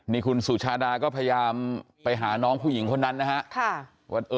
นี่คุณสุชาดาก็พยายามไปหาน้องผู้หญิงคนนั้นนะฮะ